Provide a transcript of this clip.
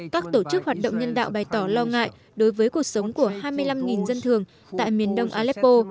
các tổ chức hoạt động nhân đạo bày tỏ lo ngại đối với cuộc sống của hai mươi năm dân thường tại miền đông aleppo